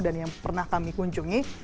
dan yang pernah kami kunjungi